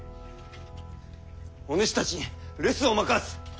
お主たちに留守を任す！